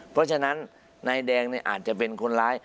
เพราะฉะนั้นนายแดงอาจจะเป็นคนร้าย